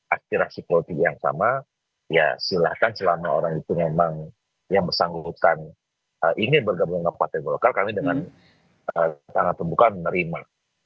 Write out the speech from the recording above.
aspirasi politik yang sama ya silahkan selama orang itu memang yang bersangkutan ingin bergabung dengan partai golkar kami dengan sangat terbuka menerima